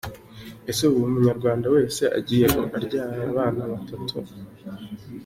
Ese ubu buri Munyarwanda wese agiye abyara abana batatu.